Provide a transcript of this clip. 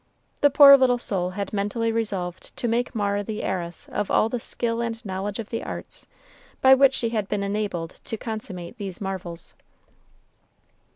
The poor little soul had mentally resolved to make Mara the heiress of all the skill and knowledge of the arts by which she had been enabled to consummate these marvels.